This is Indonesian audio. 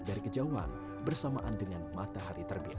dari kejauhan bersamaan dengan matahari terbit